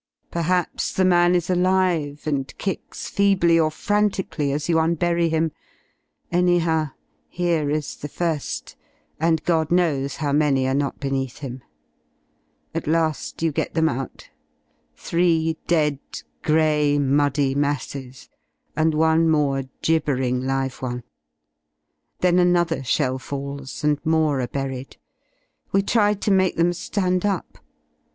* Perhaps the man is alive and kicks feebly or frantically as you unbury him: anyhow, here is the fir^, and God knows how many are not beneath him. At la^ you ge^ them out, three dead, grey, muddy masses, and one more jibbering live one. Then another shell falls and more are buried. We tried to make them ^and up.